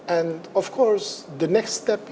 langkah berikutnya adalah